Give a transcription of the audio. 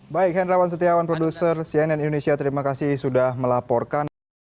baik hendrawan setiawan produser cnn indonesia terima kasih sudah melaporkan